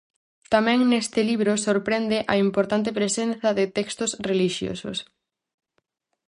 Tamén neste libro sorprende a importante presenza de textos relixiosos.